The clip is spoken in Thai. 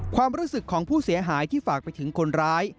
ความรู้สึกของผู้เสียหายที่ฝากไปถึงคนร้าย